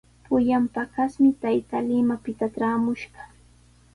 Pullan paqasmi taytaa Limapita traamushqa.